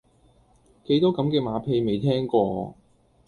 幾多咁嘅馬屁未聽過